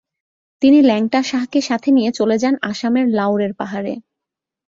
তিনি ল্যাংটা শাহকে সাথে নিয়ে চলে যান আসামের লাউরের পাহাড়ে।